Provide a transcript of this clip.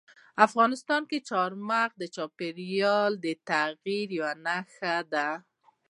افغانستان کې چار مغز د چاپېریال د تغیر یوه نښه ده.